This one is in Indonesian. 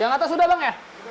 yang atas sudah bang ya